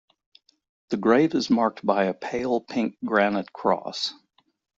The grave is marked by a pale pink granite cross.